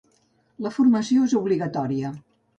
La formació és obligatòria.